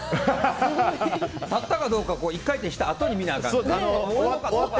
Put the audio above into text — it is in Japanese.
立ったかどうか１回転したあとに見なあかんね。